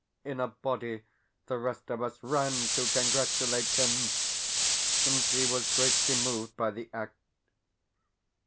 In a body the rest of us ran to congratulate him, and he was greatly moved by the act.